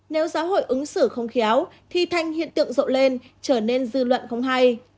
nếu giáo hội ứng xử không khéo thì thanh hiện tượng rộ lên trở nên dư luận không hay